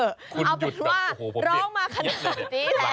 เอาเป็นว่าร้องมาขนาดนี้แล้ว